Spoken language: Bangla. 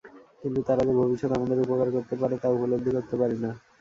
কিন্তু তারা যে ভবিষ্যতে আমাদের উপকার করতে পারে তা উপলব্ধি করতে পারি না।